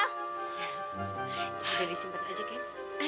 ya udah disimpan aja ken